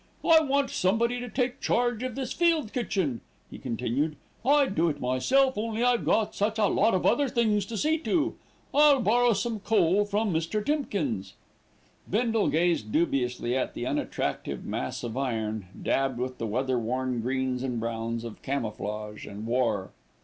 "I want somebody to take charge of this field kitchen," he continued. "I'd do it myself, only I've got such a lot of other things to see to. I'll borrow some coal from Mr. Timkins." Bindle gazed dubiously at the unattractive mass of iron, dabbed with the weather worn greens and browns of camouflage and war.